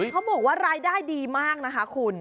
เขาบอกว่ารายได้ดีมากนะคะคุณ